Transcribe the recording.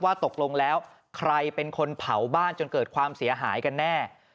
ตกลงแล้วใครเป็นคนเผาบ้านจนเกิดความเสียหายกันแน่